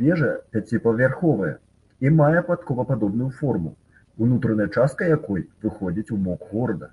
Вежа пяціпавярховая, і мае падковападобную форму ўнутранай частка якой выходзіць у бок горада.